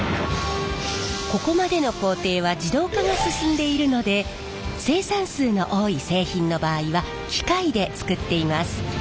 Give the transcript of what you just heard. ここまでの工程は自動化が進んでいるので生産数の多い製品の場合は機械で作っています。